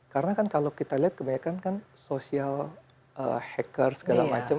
karena kan kalau kita lihat kebanyakan kan social hacker segala macam